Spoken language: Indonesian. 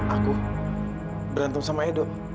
aku berantem sama edo